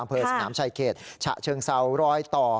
อำเภอสนามชายเขตฉะเชิงเซารอยต่อ